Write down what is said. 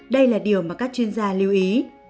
đây là điều mà các chuyên gia lưu ý